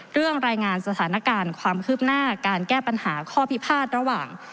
รายงานสถานการณ์ความคืบหน้าการแก้ปัญหาข้อพิพาทระหว่าง